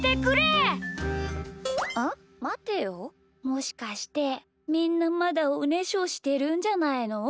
もしかしてみんなまだおねしょしてるんじゃないの？